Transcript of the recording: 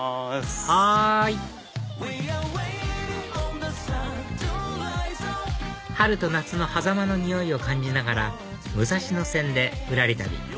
はい春と夏のはざまの匂いを感じながら武蔵野線でぶらり旅